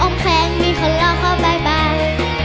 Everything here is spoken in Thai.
อ่องแข็งมีคนรักเขาบายบาย